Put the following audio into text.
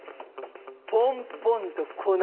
ポンポンと粉。